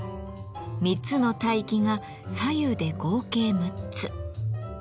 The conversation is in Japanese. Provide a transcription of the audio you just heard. ３つの帯域が左右で合計６つ。